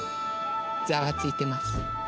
ざわついてます。